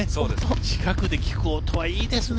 近くで聞く音はいいですね。